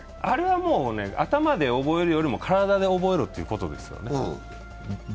あれは頭で覚えるよりも体で覚えろということですよね。